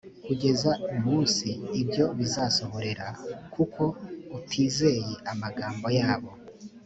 kugeza umunsi ibyo bizasohorera kuko utizeye amagambo yabo